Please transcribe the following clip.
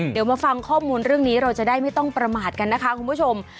เดี๋ยวมาฟังข้อมูลเรื่องนี้เราจะได้ไม่ต้องประมาทกันนะคะคุณผู้ชม